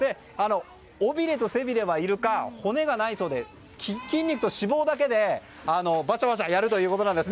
尾びれと背びれはイルカは骨はないそうで筋肉と脂肪だけでばしゃばしゃやるということです。